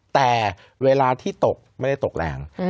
แต่เวลาที่ตกไม่ได้ตกแรง